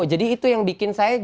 jadi itu yang bikin saya